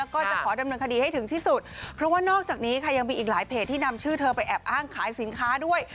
ก็จะขอดำเนินคดีให้ถึงที่สุดเพราะว่านอกจากนี้ค่ะยังมีอีกหลายเพจที่นำชื่อเธอไปแอบอ้างขายสินค้าด้วย